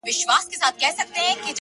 o خدايه له بـهــاره روانــېــږمه،